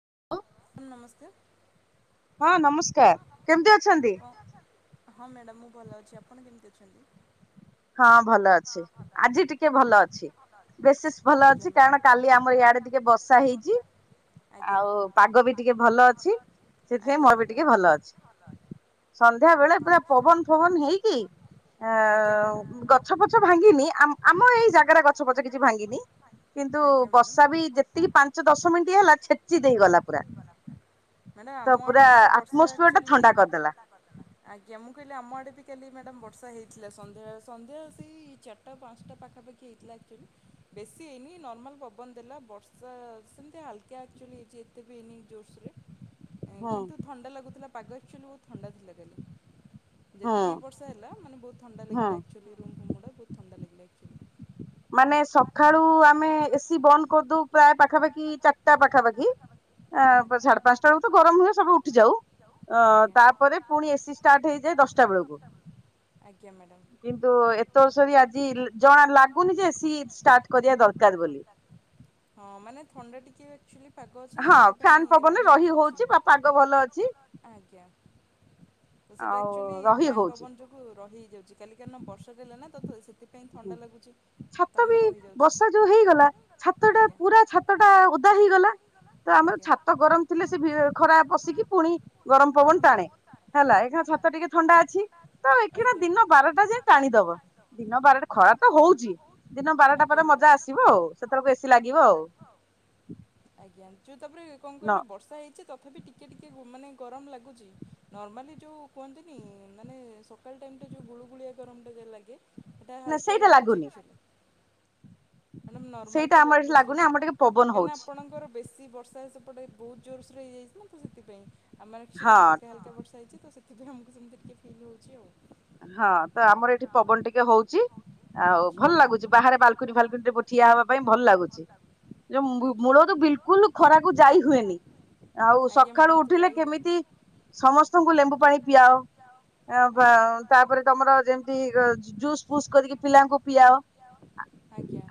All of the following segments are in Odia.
[inaudible] ନମସ୍କାର। ହଁ ନମସ୍କାର କେମିତି ଅଛନ୍ତି। ହଁ ମ୍ୟାଡ଼ାାମ ମୁଁ ଭଲ ଅଛି ଆପଣ କେମିତି ଅଛନ୍ତି। ହଁ ଭଲ ଅଛି ଆଜି ଟିକେ ଭଲ ଅଛି ବେଶେଶ ଭଲ ଅଛି କାରଣ କାଲି ଆମର ଇଆଡେ ଟିକେ ବର୍ଷା ହେଇଛି ଆଉ ପାଗ ବି ଟିକେ ଭଲ ଅଛି ସେଥିପାଇଁ ମୋର ବି ଟିକେ ଭଲ ଅଛି ସନ୍ଧ୍ୟା ବେଳେ ପୁରା ପବନ ଫବନ ହେଇକି ଆ ଗଛ ପଛ ଭାଙ୍ଗିନି ଆମ ଏଇ ଜାଗାରେ ଗଛ ପଛ କିଛି ଭାଙ୍ଗିନି କିନ୍ତୁ ବର୍ଷା ବି ଯେତିକି ପାଞ୍ଚ ଦଶ ମିନିଟ ହେଲା ଛେଚି ଦେଇଗଲା। ପୁରା ତ ପୁରା ଆଟମସ୍ଫିୟର ଟା ଥଣ୍ଡା କରିଦେଲା ମୁଁ କହିଲି ଆମ ଆଡ଼େ ବି କାଲି ମ୍ୟାଡ଼ାାମ ବର୍ଷା ହେଇଥିଲା ସନ୍ଧ୍ୟା ସନ୍ଧ୍ୟା ସେଇ ଚାରିଟା ପାଞ୍ଚଟା ପାଖାପାଖି ହେଇଥିଲା ଆକ୍ଚୁଆଲି ବେଶୀ ହେଇନି ନର୍ମାଲ ପବନ ଦେଲା ବର୍ଷା ସେମିତି ହାଲକା ଆକ୍ଚୁଆଲି ହେଇଛି। ଯିବିନି ଜୋସରେ କିନ୍ତୁ ଥଣ୍ଡା ଲାଗୁଥିଲା। ପାଗ ଏକଚୁଲି ବହୁତ ଥଣ୍ଡା ଥିଲା କାଲି ଯେତିକି ବି ବର୍ଷା ହେଲା ମାନେ ବହୁତ ଥଣ୍ଡା ଲାଗିଲା ଆକଚୁଆଲି ରୁମ ଫୁମ ଗୁଡା ବହୁତ ଥଣ୍ଡା ଲାଗିଲା। [inaudible] ମାନେ ସକାଳୁ ଆମେ ଏସିି ବନ୍ଦ କରିଦଉ ପ୍ରାୟ ପାଖାପାଖି ଚାରିଟା ପାଖାପାଖି ସାଢେ ପାଞ୍ଚଟା ବେଳକୁ ତ ଗରମ ହୁଏ ସବୁ ଉଠି ଯାଉ ତାପରେ ପୁଣି ଏସି ଷ୍ଟାର୍ଟ ହେଇଯାଏ ଦଶଟା ବେଳକୁ କିନ୍ତୁ ଏତେବର୍ଷ ଆଜି ଜଣା ଲ କହୁନି ଯେ ଏ ସି ଷ୍ଟାର୍ଟ କରିବା ଦରକାର ବୋଲି କି ଏକ ଚୁଲି ପାଗ ନା ସେଥିପାଇଁ ରହି ହେଇଯାଉଛି ଆଜ୍ଞା ସେଟା ଆକଚୁଲି ଫ୍ୟାନ ପବନ ଯୋଗୁ ରହି ଯେତେ ହେଲେ ବର୍ଷା ଦିନ ନା ତ [inaudible] ଛାତ ବି ବର୍ଷା ଯୋଉ ହେଇଗଲା ଛାତ ଟା ପୁରା ଛାତ ଟା ଓଦା ହେଇଗଲା। ତ ଆମର ଛାତ ଗରମ ଥିଲେ ସେ ଖରା ପଶିକି ପୁଣି ଗରମ ପବନ ଟାଣେ ହେଲା ଏକେଣା ଛାତ ଟିକେ ଥଣ୍ଡା ଅଛି ତ ଏକେଣା ଦିନ ବାରଟା ଯାଏ ଟାଣି ଦବ ଦିନ ବାରଟା। ତ ହଉଛି ଦିନ ବାରଟା ପରେ ମଜା ଆସିବ ଆଉ ସେତେବେଳକୁ ଏସି ଲାଗିବ ଆଉ। ଯା ତାପରେ କଣ କହିଲେ ବର୍ଷା ହେଇଛି ତଥାପି ଟିକେ ଟିକେ ମାନେ ଗରମ ଲାଗୁଛି ନର୍ମାଲି ଯେଉଁ କୁହନ୍ତିନି ମାନେ ସକାଳ ଟାଇମଟା ଯେଉଁ ଗୁଳୁଗୁଳିଆ ଗରମଟା ଯୋଉ ଲାଗେ। ସେଟା ହାଲକିଆ ଲାଗୁଛି ଅକ୍ଚୂଆଲି। ମ ନର୍ମାଲ ତ ଲାଗୁଛି କାହିଁକି ନା ଆପଣଙ୍କର ବେଶୀ। ବର୍ଷା ଏ ସେପଟେ ବହୁତ ଜୋରସୋର ହେଇଯାଇଛି ନା ତ ସେଥିପାଇଁ। ଆମର ଆଚଆଲି ହାଲକା ହାଲକା ବର୍ଷା ହେଇଚିତ ସେଥି ପାଇଁ। ସେଥିବେ ଆମକୁ ସେମିତି ଟିକେ ଫିଲ୍ ହେଉଛି ଆଉ। ହଁ ତ ଆମର ଏଇଠି ପବନ ଟିକେ ହଉଛି ଆଉ ଭଲ ଲାଗୁଛି ବାହାରେ ବାଲକୁନି ଫାଲକୁନି ରେ ପ ଠିଆ ହବା ପାଇଁ ଭଲ ଲାଗୁଛି ଯୋଉ ମୂଳ ତ ବିଲକୁଲ। ଖରାକୁ ଯାଇ ହୁଏନି ଆଉ ସକାଳୁ ଉଠିଲେ କେମିତି ସମସ୍ତଙ୍କୁ ଲେମ୍ବୁ ପାଣି ପିଆଅ ଆ ବା ତାପରେ ତମର ଯେମିତି ଜୁସ୍ ଫୁସ୍ କରିକି ପିଲାଙ୍କୁ ପିଆଅ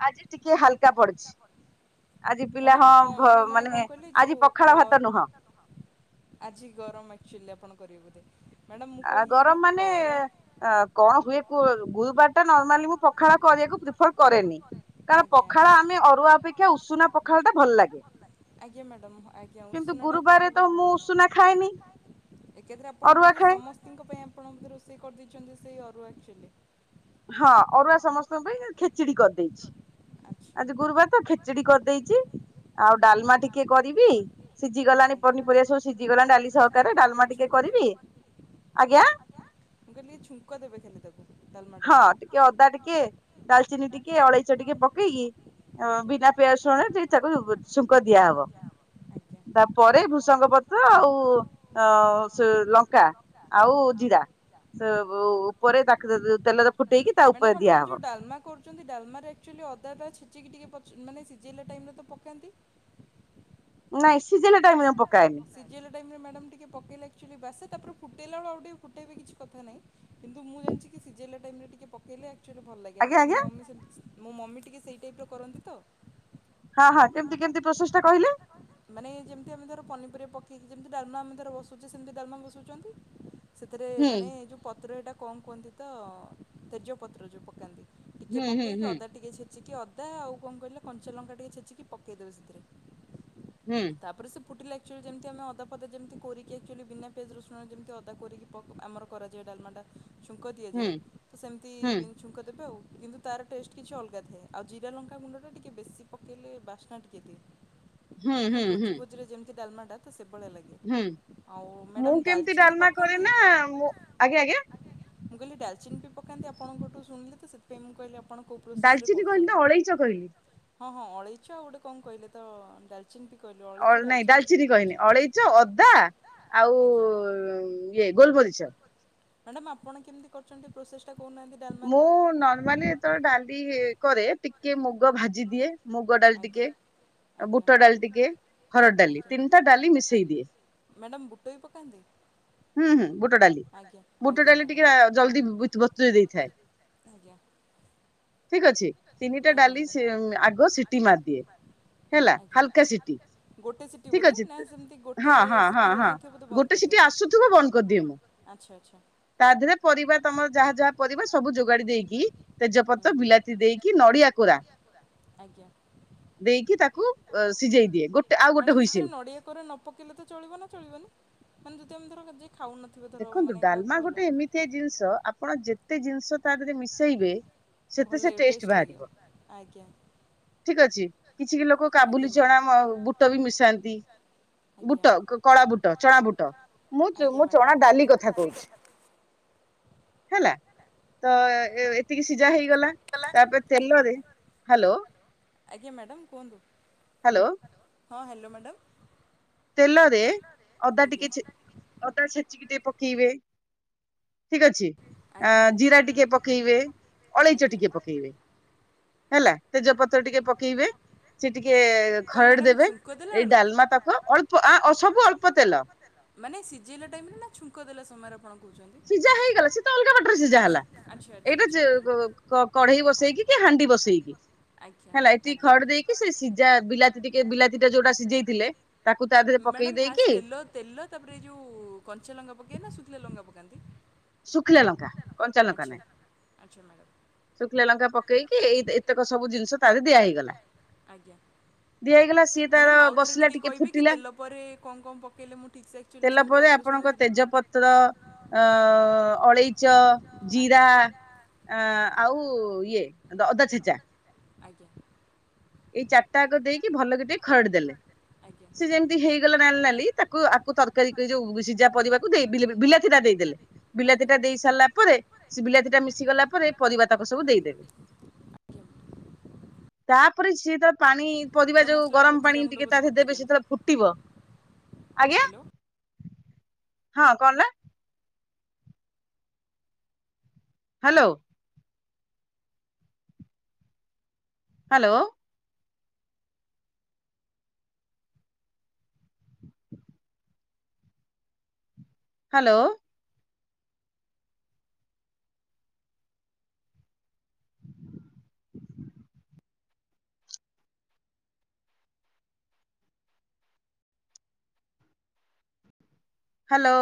ଆଜି ଟିକେ ହାଲକା ପଡିଛି ଆଜି ପିଲା ହଁ। ଯୋଉ ମାନେ କଣ କହିଲି ଯୋଉ ଖ ଆଜି ଗରମ ଆକଚୋଲି ଆପଣ। କରିବୁଧେ। ଆ ଗରମ ମାନେ ଅ କଣ ହୁଏ ଗୁରୁବାର ଟା ନର୍ମାଲି ମୁଁ ପଖାଳ କରିବାକୁ ପ୍ରିଫର କରେନି କାରଣ ପଖାଳ ଆମେ ଅରୁଆ ଅପେକ୍ଷା ଉଷୁନା ପଖାଳ ଟା ଭଲ ଲାଗେ। ଆଜ୍ଞା ମ୍ୟାଡ଼ାମ ଆଜ୍ଞା ଉଷୁନା ଟା ଅକ୍ଚୁଲି ବହୁତ୍ ଭଲଲାଗେ ଏକଥାରେ ଆପଣ ବୋଧେ ସମ। ତାଙ୍କ ପାଇଁ ଆପଣ ମୋତେ ରୋଷେଇ କରିଦେଇଛନ୍ତି ସେଇ ଅରୁଆଚୁଲି। ହଁ ଅରୁଆ ସମସ୍ତଙ୍କ ପାଇଁ ଖେଚଡି କରିଦେଇଛି ଆଜି ଗୁରୁବାର ତ ଖେଚିଡି କରିଦେଇଛି ଆଉ ଡ଼ା। ଡାଲମା ଟିକେ କରିବି ସିଝି ଗଲାଣି ପନିପରିବା ସବୁ ସିଝି ଗଲାଣି ଡାଲି ସହକାରେ ଡାଲମା ଟିକେ କରିବି ଆଜ୍ଞା। ଖେଳ ତାକୁ। ହଁ ଟିକେ ଅଦା ଟିକେ ଡାଲଚିନି ଟିକେ ଅଳେଇଚ ଟିକେ ପକେଇକି ବିନା ପିଆଜ ଶୁଣ ଟିକେ ତାକୁ ଛୁ। ଦିଆ ହବ ତାପରେ ଭୃସଙ୍ଗ ପତ୍ର ଆଉ ଅ ଲଙ୍କା ଆଉ ଜିରା ସେ ଉପରେ। ରଖଦ। [unintelligible] ମ୍ୟାଡାମ ଆପଣ ଯୋଉ ଡାଲମା କରୁଛନ୍ତି। ଡାଲମାର ଆକ୍ଚୁଆଲି ଅଦାଟା ଛେଚିକି ଟିକେ ମାନେ ସିଝେଇଲା ଟାଇମରେ ତ ପକାନ୍ତି। ନାଇଁ ସିଝିଲା ଟାଇମ ରେ। ସିଝେଇଲା ଟାଇମ ରେ ମ୍ୟାଡ଼ାମ ଟିକେ। ଟିକେ ପକେଇଲେ ଆକ୍ଚୁଆଲି ବାସେ ତାପରେ ଫୁଟେଇଲା ବେ ଆଉ ଟିକେ ଫୁଟବେ କିଛି କଥାହି କିନ୍ତୁ ମୁଁ ଜାଣିଛି କି ସିଜିଲଲା ଟାଇମ ରେ ଟିକେ ପକଲେ। ଆ ଭଲ ଲାଗେଆ ମମି ସେ। ମୋ ମମି ଟିକେ ସେଇ ଟାଇପ ର କରନ୍ତି ତ ମାନେ ଯେମିତି ଆମେ ଧର ପନିର ଉପରେ ପକେଇକି ଯେମିତି ଡାଲମା ଆମ ଧର ବସଉଛେ ସେମିତି ଡାଲମା ବସଉଛନ୍ତି ସେଥିରେ ମାନେ ଯେଉଁ ପତ୍ର ଏଇଟା କଣ କୁହନ୍ତି ତ ତେଜପତ୍ର ଯେଉଁ ପକାନ୍ତି ଟିକେ ପକେଇକି ଅଦା ଟିକେ ଛେ ଟିକେ ଅଦା ଆଉ କଣ କହିଲେ କଞ୍ଚା ଲଙ୍କା ଟିକିେ ଛେଚିକି ପକାଇ ଦେବେ ସେଥିରେ ତାପରେ ସେ ପୁଟିଲା ଆକ୍ଚୁଆଲି ଯେମତି ଆମେ ଅଦା ଫଦା ଯେମିତି କୋରିକି ଆକଚୁଆଲି ବିନା ପିଆଜ ରୁଣସରେ ଯେମତି ଅଦା କୋରିକି ଆମର କରାଯାଏ ଡାଲମାଟା ଛୁଙ୍କ ଦିଆଯାଏ ତ ସେମିତି ବି ଛୁଙ୍କ ଦେବେ ଆଉ କିନ୍ତୁ ତାର ଟେଷ୍ଟ କିଛି ଅଲଗା ଥାଏ ଆଉ ଜିରା ଲଙ୍କା ଗୁଣ୍ଡ ଟା ଟିକେ ବେଶୀ ପକେଇଲେ ବାସ୍ନା ଟିକେ ଦିଏ। ମାନେ ଭୋଜି ଭୋଜିରେ ଯେମିତି ଦାଲମାଟା ତ ସେ ହୁଁ ମୁଁ କେମିତି ଡାଲମା କରେ ନା ମୁଁ ଆଜ୍ଞା ଆଜ୍ଞା କହିଲି ଡାଲଚିନି ବି ପକାନ୍ତି ଆପଣଙ୍କଠୁ ଶୁିଣିଲି ତ ସେଥିପାଇଁ ମୁଁ କହିଲି ଡାଲଚିନି କହିନି ତ ଅଳେଇଚ କହିଲି ହଁ ହଁ ଅଳେଇଚ ଆଉ ଗୋଟେ କଣ କହିଲେ ତ ଡାଲ ନାଇଁ ଡାଲଚିନି କହିନି ଅଳେଇଚ ଅଦା ଆଉ ଇଏ ଗୋଲମରିଚ ମ୍ୟାଡ଼ାମ ଆପଣ କେମିତି କରିଛନ୍ତି ପ୍ରୋସେସ୍ ମୁଁ ନର୍ମାଲି ଯେତେବେଳେ ଡାଲି ହି କରେ ଟି କିଏ ମୁଗ ଭାଜି ଦିଏ ମୁଗ ଡାଲି ଟିକେ ବୁଟ ଡାଲି ଟିକେ ହରଡ଼ ଡାଲି ତିନିଟା ଡାଲି ମିଶେଇ ଦିଏ ମ୍ୟାଡାମ ବୁଟ ବି ପକାନ୍ତି। ହୁଁ ହୁଁ ବୁଟ ଡାଲି ବୁଟ ଡାଲି ଟିକେ ଜଲଦି ବତୁରେଇ ଦେଇଥାଏ। ଠିକ ଅଛି ତିନିଟା ଡାଲି ଆଗ ସିଟି ମାରିଦିଏ ହେଲା ହାଲକା ସିଟି ଠିକ ଅଛି ହଁ ହଁ ହଁ ହଁ ଗୋଟେ ସିଟି ଆସୁ ବନ୍ଦ କରିଦିଏ ମୁଁ ତା ଦେହରେ ପରିବା ତମର ଯାହା ଯାହା ପରିବା ସବୁ ଯୋଗାଡି ଦେଇକି ତେଜପତ୍ର ବିଲାତି ଦେଇକି କି ନଡ଼ିଆ କୋରା ଦେଇକି ତାକୁ ସିଝେଇ ଦିଏ ଗୋଟେ ଆଉ ଗୋଟେ ହୁଇସିଲ ର [inaudible] ଦେଖନ୍ତୁ ଡାଲମା ଗୋଟେ ଏମିତିଆ ଜିନିଷ ଆପଣ ଯେ ତେ ଜିନିଷ ତା ଦେହରେ ମିଶେଇବେ ସେତେ ସେ ଟେଷ୍ଟ ବାହାରିବ ଠିକ ଅଛି କିଛି ଲୋକ କାବୁଲି ଚଣା ବୁଟ ବି ମିଶାନ୍ତି ବୁଟ କଳା ବୁଟ ଚଣା ବୁଟ ମୁଁ ଚୁ ଚଣା ଡାଲି କଥା କହୁଛି ହେଲା। ତ ଏତିକି ସିଝା ହେଇଗଲା ତାପରେ ତେଲରେ ହ୍ୟାଲୋ ଆଜ୍ଞା ମ୍ୟାଡ଼ାାମ କୁହନ୍ତୁ। ହ୍ୟାଲୋ ହଁ ହ୍ୟାଲୋ ମ୍ୟାଡ଼ାମ୍ ତେଲରେ ଅଦା ଟିକେ ଅଦା ଛେଚିକି ଟିକେ ପ କେଇବେ ଠିକ ଅଛି ଜିରା ଟିକେ ପକେଇବେ ଅଳେଇଚ ଟିକେ ପକେଇବେ। ହେଲା ତେଜପତ୍ର ଟିକେ ପକେଇବେ ସେ ଟିକେ ଟିକେ ଖରଡି ଦେବେ ଏଇ ଡାଲମା ପାଗ ମାନେ ସିଝେଇଲା ଟାଇମ୍ ରେ ନା ଛୁଙ୍କ ଦେଲା ସମୟରେ ଆପଣ ସିଝା ହେଇଗଲା ସେ ତ ଅଲଗା ବାଟରେ ସିଝା ହେଲା ଏଇଟା କଢେଇ ବସେଇକି କି ହାଣ୍ଡି ବସେଇକି ହେଲା ଏତିକି ଖରଡ଼ି ଦେଇକି ସେ ସିଝା ବିଲାତି ମ୍ୟାଡାମ ଫାଷ୍ଟ ତେଲ ତେଲ ତାପରେ ଏଇ ଯୋଉ କଞ୍ଚା ଲଙ୍କା ପକେଇ ନା ଶୁଖିଲା ଲଙ୍କା ପକାନ୍ତି? ସୁଖ ଶୁଖିଲା ଲଙ୍କା କଞ୍ଚା ଲଙ୍କା ନାଇଁ ଶୁଖିଲା ଲଙ୍କା ପକେଇକି ଏଇ ଏତେକ ସବୁ ଜିନିଷ ତା ଧିଏରେ ଦିଆ ହେଇଗଲା ଦିଆ ସିଏ ତାର ବସିଲା ଟିକେ ଫୁଟିଲା ତେଲ ପରେ ଆପଣଙ୍କ ତେଜ ପତ୍ର ଅଳେଇଚ ଜିରା ଆଉ ଇଏ ଅଦା ଛେଚା। ଆଜ୍ଞା ଏଇ ଚାରିଟା ଆଗ ଦେଇକି ଭଲକି ଟିକେ ଖରଡି ଦେଲେ ସେ ଯେମିତି ହେଇଗଲା ନାଲି ନାଲି ତାକୁ ଆକୁ ତରକାରୀ ଯୋଉ ସିଝା ପରିବାକୁ ଦେଇ ବିଲାତି ଟା ଦେଇଦେଲେ। ବିଲାତି ଟା ଦେଇ ସାରିଲା ପରେ ସେ ବିଲାତି ଟା ମିଶିଗଲା ପରେ ପରିବା ତକ ସବୁ ଦେଇଦେବେ। ତା ପରି ସିଏ ତା ପାଣି ପରିବା ଯୋଉ ଗରମ ପାଣି ଟିକେ ତା ଦେହରେ ଦେବେ ସେତେବେଳେ ଫୁଟିବ ଆଜ୍ଞା ହଁ କହୁନା। Hello hello hello hello